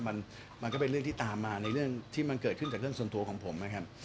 มันมันก็เป็นเรื่องที่ตามมาในเรื่องที่มันเกิดขึ้นจากเรื่องส่วนตัวของผมนะครับ